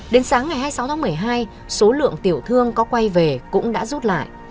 đến sáng ngày hai mươi sáu tháng một mươi hai số lượng tiểu thương có quay về cũng đã rút lại